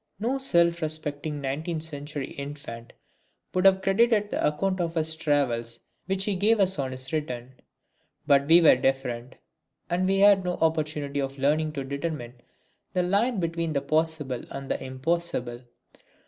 No self respecting nineteenth century infant would have credited the account of his travels which he gave us on his return. But we were different, and had had no opportunity of learning to determine the line between the possible and the impossible.